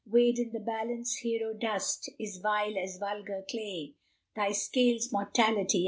Weighed in the balance, hero dust Is vile as vulgar clay; Thy scales, Mortality!